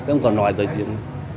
ông có nói về chuyện